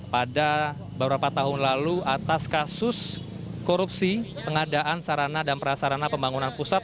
pada beberapa tahun lalu atas kasus korupsi pengadaan sarana dan prasarana pembangunan pusat